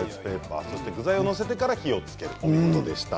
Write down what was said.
具材を載せてから火をつけるということでした。